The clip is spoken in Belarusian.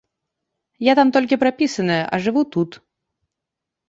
Я там толькі прапісаная, а жыву тут.